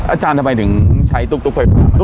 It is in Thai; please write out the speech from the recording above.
อาจารย์ทำไมถึงใช้ตุ๊กไฟฟ้า